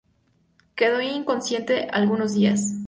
Quedó inconsciente algunos días.